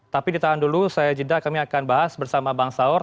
tapi ditahan dulu saya jeda kami akan bahas bersama bang saur